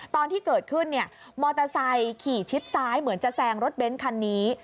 ตอนที่เกิดขึ้นเนี่ยมอเตอร์ไซค์ขี่ชิดซ้ายเหมือนจะแซงรถเบ้นคันนี้